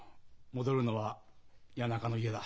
戻るのは谷中の家だ。